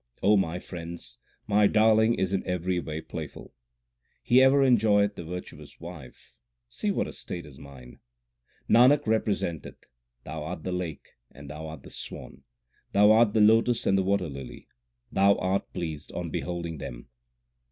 my friends, my Darling is in every way playful. He ever enjoyeth the virtuous wife ; see what a state is mine ! 1 Nanak representeth, Thou art the lake, and Thou art the swan ; Thou art the lotus and the water lily, Thou art pleased on beholding them.